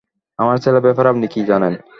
আমার ছেলের ব্যাপারে আপনি কী জানেন?